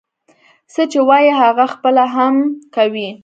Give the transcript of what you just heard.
څه چې وايي هغه پخپله هم کوي.